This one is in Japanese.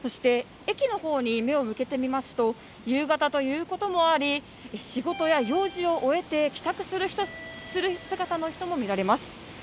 駅の方に目を向けてみますと夕方ということもあり、仕事や用事を終えて帰宅する姿の人も見られます。